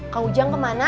kak ujang kemana